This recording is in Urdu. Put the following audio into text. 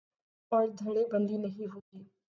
اور دھڑے بندی نہیں ہو گی۔